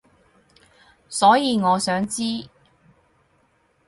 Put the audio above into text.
所以我想知